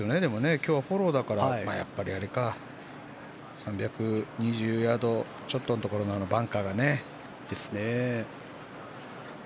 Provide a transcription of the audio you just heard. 今日はフォローだからやっぱりあれか３２０ヤードちょっとのところのバンカーがね。